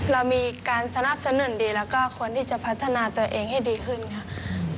เรามีการสนับสนุนดีแล้วก็ควรที่จะพัฒนาตัวเองให้ดีขึ้นค่ะ